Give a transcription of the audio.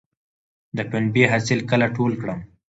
د پنبې حاصل کله ټول کړم؟